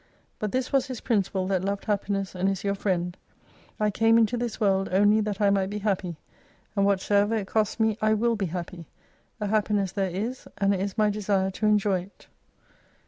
But this was his principle that loved Happi enss, and is your friend : I came into this world only that I might be happy. And whatsoever it cost me, I will be happy. A happiness there is, and it is my de sire to enjoy it.